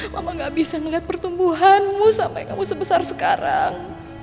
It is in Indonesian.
mama gak bisa melihat pertumbuhanmu sampai kamu sebesar sekarang